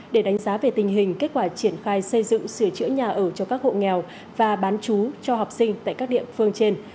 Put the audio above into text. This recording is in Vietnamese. để đánh giá về tình hình kết quả triển khai xây dựng sửa chữa nhà ở cho các hộ nghèo và bán chú cho học sinh tại các địa phương trên